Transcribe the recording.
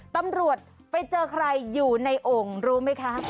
ตำรวจไปเจอใครอยู่ในโอ่งรู้ไหมคะ